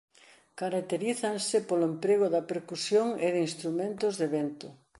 Caracterízanse polo emprego da percusión e de instrumentos de vento.